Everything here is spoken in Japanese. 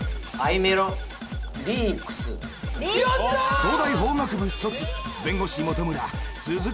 東大法学部卒弁護士本村続く